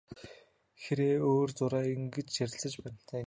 Хэрээ өөр зуураа ингэж ярилцаж байна.